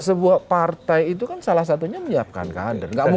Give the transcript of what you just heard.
sebuah partai itu kan salah satunya menyiapkan kader